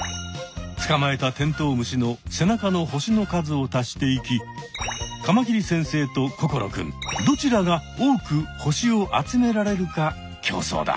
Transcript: つかまえたテントウムシの背中の星の数を足していきカマキリ先生と心くんどちらが多く星を集められるか競争だ。